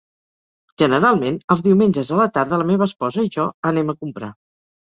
Generalment, els diumenges a la tarda la meva esposa i jo anem a comprar.